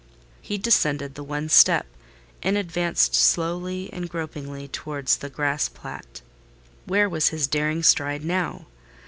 He descended the one step, and advanced slowly and gropingly towards the grass plat. Where was his daring stride now?